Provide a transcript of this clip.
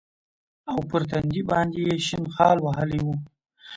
او پر تندي باندې يې شين خال وهلى و.